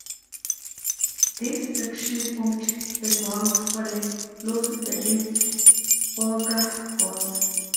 This section formed the grounds for the lawsuit against Holger Voss.